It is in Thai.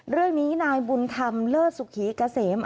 เรื่องนี้นายบุญธรรมเลิศสุขีเกษม